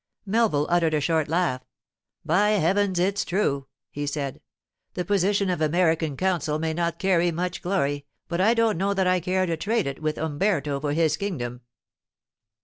Melville uttered a short laugh. 'By heavens, it's true!' he said. 'The position of American consul may not carry much glory, but I don't know that I care to trade it with Umberto for his kingdom.